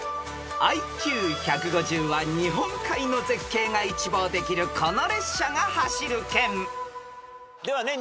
［ＩＱ１５０は日本海の絶景が一望できるこの列車が走る県］ではね